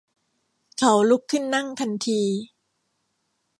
เขาลุกขึ้นนั่งทันที